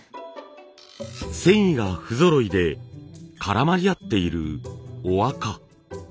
繊維が不ぞろいで絡まり合っている麻垢。